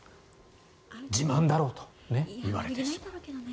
自慢だろうと言われてしまう。